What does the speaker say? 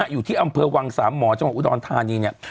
อยู่ที่อำเภอวังสามหมอจังหวัดอุดรธานีเนี่ย